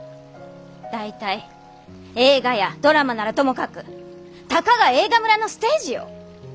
大体映画やドラマならともかくたかが映画村のステージよ？